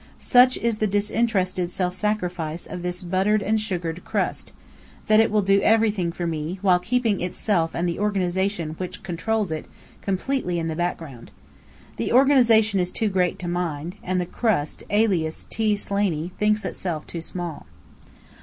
Such is the disinterested self sacrifice of this buttered and sugared Crust, that it will do everything for me, while keeping itself and the Organization which controls it, completely in the background. The Organization is too great to mind; and the Crust, alias T. Slaney, thinks itself too small.